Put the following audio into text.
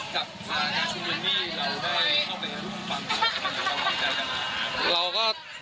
กับค่านี้เราได้เข้าไปรุ่นปักหลักตั้งใจมาเลยครับ